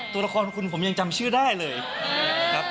ตัวละครของคุณผมยังจำชื่อได้เลยครับ